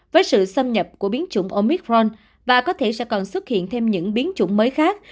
với sự xâm nhập của biến chủng omitron và có thể sẽ còn xuất hiện thêm những biến chủng mới khác